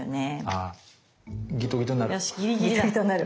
あギトギトになる。